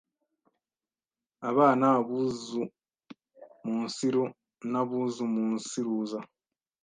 abana abuzuumunsiru n’abuzuumunsiruza.